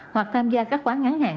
hoặc tham gia các khóa ngắn hàng